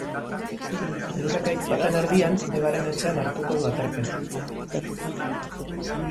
Elur ekaitz baten erdian, Evaren etxean hartuko du aterpe.